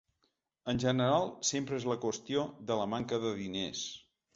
En general sempre és la qüestió de la manca de diners.